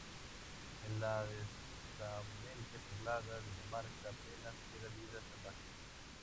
En la densamente poblada Dinamarca apenas queda vida salvaje.